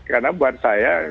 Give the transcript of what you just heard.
karena buat saya